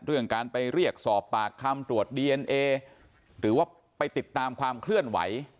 เรื่องการไปเรียกสอบปากคำตรวจดีเอนเอหรือว่าไปติดตามความเคลื่อนไหว